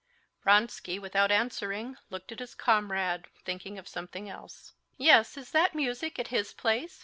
Vronsky, without answering, looked at his comrade, thinking of something else. "Yes; is that music at his place?"